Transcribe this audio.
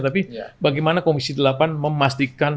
tapi bagaimana komisi delapan memastikan